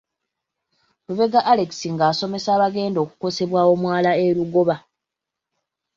Lubega Alex ng'asomesa abagenda okukosebwa omwala e Lugoba.